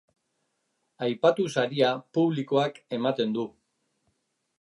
Aipatu saria publikoak ematen du.